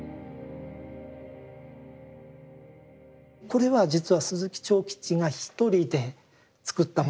これは実は鈴木長吉が一人で作ったものなんですが。